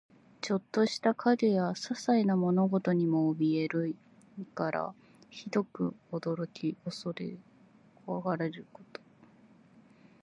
ちょっとした影やささいな物音にもおびえる意から、ひどく驚き怖れること。